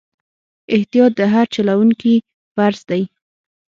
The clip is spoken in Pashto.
احتیاط د هر چلوونکي فرض دی.